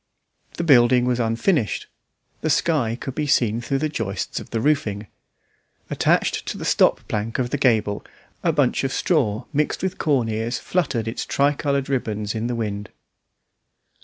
The building was unfinished; the sky could be seen through the joists of the roofing. Attached to the stop plank of the gable a bunch of straw mixed with corn ears fluttered its tricoloured ribbons in the wind.